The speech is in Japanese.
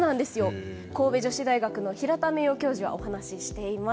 神戸女子大学の平田耕造名誉教授はこう話しています。